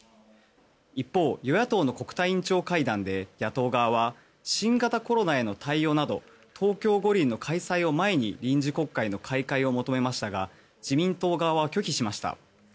一方、与野党の国対委員長会談で野党側は新型コロナへの対応など東京五輪の開催を前に臨時国会の開会を求めましたが自民党側は拒否しました。